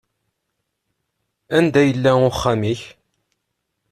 Anda yella uxxam-ik?